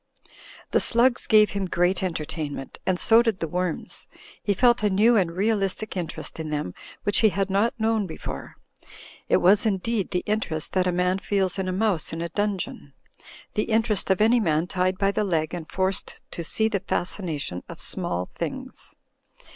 The slugs gave him great entertainment, and so did the worms. He felt a new and realistic interest in them which he had not known before ; it was, indeed, the interest that a man feels in a mouse in a dungeon ; the interest of any man tied by the leg and forced to see the fascination of small things.